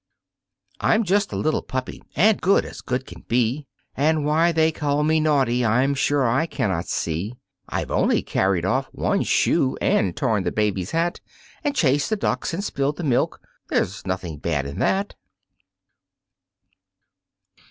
I'm just a little Puppy and good as good can be, And why they call me naughty, I'm sure I cannot see, I've only carried off one shoe and torn the baby's hat And chased the ducks and spilled the milk there's nothing bad in that!